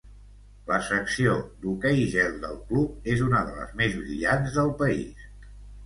La secció d'hoquei gel del club és una de les més brillants del país.